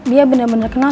dia benar benar kenal